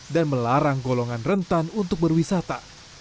dan melarang golongan rentan untuk berwisata